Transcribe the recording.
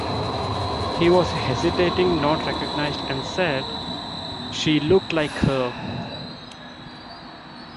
He was hesitating not recognized and said “she looked like her”.